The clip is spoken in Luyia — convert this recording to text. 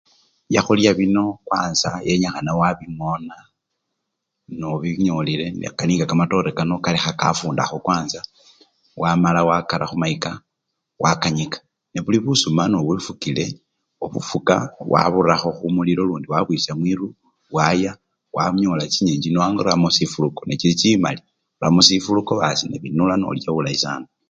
Byakhulya bino kwanza yenyikhana wabingona nobinyolile nekali nga kamatore kano okalekha kafundakho kwanza wamala wakara khumayika, wakanyika nebuli busuma nobufukile, obufuka waburakho khumulilo lundi wabwisya mwiru bwaya wanyola chinyenichino waramo sifuluko nechilichimali oramo sifulukoasi nebinula nolya bulayi sana.